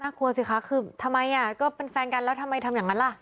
กลัวสิคะคือทำไมก็เป็นแฟนกันแล้วทำไมทำอย่างนั้นล่ะ